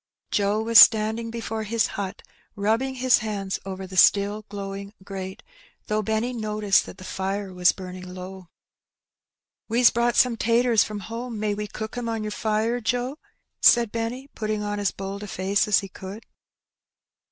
Joe was standing before his hut, rubbing his hands over the still glowing grate, though Benny noticed that the fire was burning low. We's brought some taters from home, may we cook 'em on Roughing It. 29 yer fire, Joe?'' said Benny, putting on as bold a face as he could.